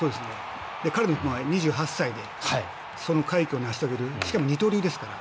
彼は２８歳でその快挙を成し遂げるしかも二刀流ですから。